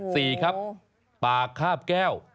สี่ครับปากคาบแก้ว